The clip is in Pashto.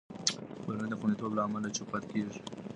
کورنۍ د خوندیتوب له امله چوپ پاتې کېږي.